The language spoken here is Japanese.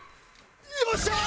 よっしゃー！